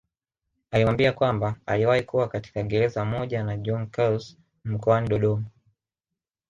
Alimwambia kwamba aliwahi kuwa katika gereza moja na John Carse mkoani Dodoma